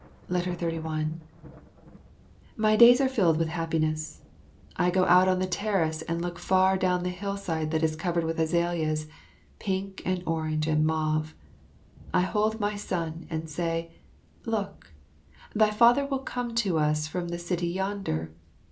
31 My days are filled with happiness. I go out on the terrace and look far down the hillside that is covered with azaleas, pink and orange and mauve. I hold my son and say, "Look, thy father will come to us from the city yonder.